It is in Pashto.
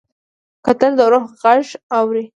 کتل د روح غږ اوري